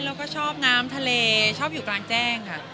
แล้วก็ชอบน้ำทะเลชอบอยู่กลางแจ้งค่ะ